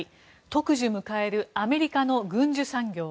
特需迎えるアメリカの軍需産業。